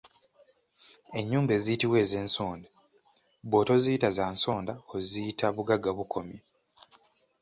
Ennyumba eziyitibwa ez’Ensonda, bw’otoziyita za nsonda oziyita Bugagga bukomye.